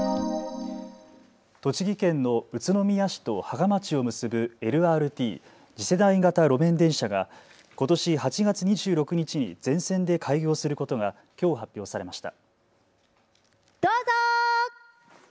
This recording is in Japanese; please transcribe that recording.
栃木県の宇都宮市と芳賀町を結ぶＬＲＴ・次世代型路面電車がことし８月２６日に全線で開業することがきょう発表されました。